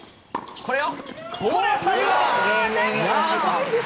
これを。